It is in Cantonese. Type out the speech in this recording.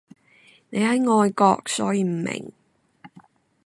你喺外國所以唔明